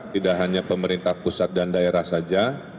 tidak hanya pemerintah pusat dan daerah saja